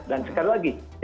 dan sekali lagi